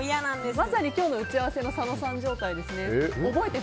まさに今日の打ち合わせの佐野さん状態ですね。